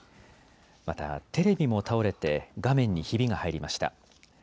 また、テレビも倒れて、画面にひびが入りました。